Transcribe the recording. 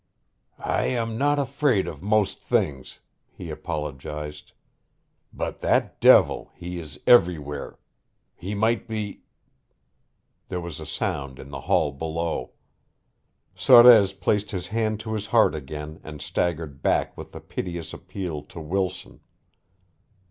"I am not afraid of most things," he apologized, "but that devil he is everywhere. He might be " There was a sound in the hall below. Sorez placed his hand to his heart again and staggered back with a piteous appeal to Wilson.